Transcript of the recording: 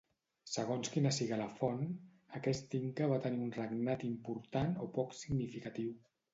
Segons quina siga la font, aquest inca va tenir un regnat important o poc significatiu.